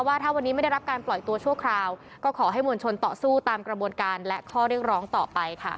ว่าถ้าวันนี้ไม่ได้รับการปล่อยตัวชั่วคราวก็ขอให้มวลชนต่อสู้ตามกระบวนการและข้อเรียกร้องต่อไปค่ะ